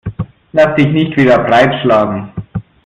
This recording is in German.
Lass dich nicht wieder breitschlagen.